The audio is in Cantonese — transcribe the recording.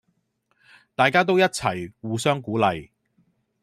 大家都一齊互相鼓勵